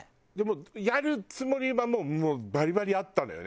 やるつもりはもうバリバリあったのよね？